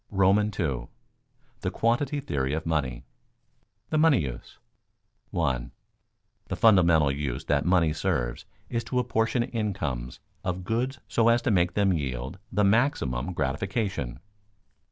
§ II. THE QUANTITY THEORY OF MONEY [Sidenote: The money use] 1. _The fundamental use that money serves is to apportion incomes of goods so as to make them yield the maximum gratification.